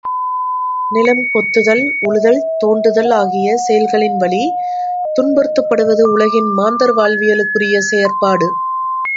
நிலம் கொத்துதல், உழுதல், தோண்டுதல் ஆகிய செயல்களின் வழி, துன்புறுத்தப்படுவது, உலகில் மாந்தர் வாழ்வியலுக்குரிய செயற்பாடு.